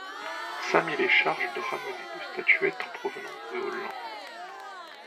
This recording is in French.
Sammy les charge de ramener deux statuettes en provenance de Hollande.